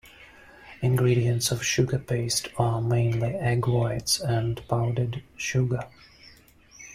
Ingredients of sugar paste are mainly egg whites and powdered sugar.